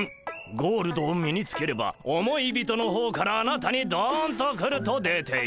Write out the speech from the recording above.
ゴールドを身につければ思い人の方からあなたにどんと来ると出ています。